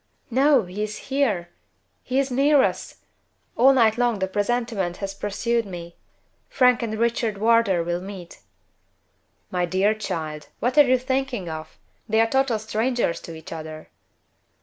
"No! He is here! He is near us! All night long the presentiment has pursued me Frank and Richard Wardour will meet." "My dear child! what are you thinking of? They are total strangers to each other."